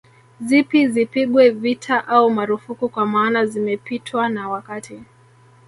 Zipi zipigwe vita au marufuku kwa maana zimepitwa na wakati